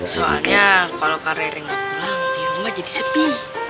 soalnya kalau kak rere gak pulang di rumah jadi sepi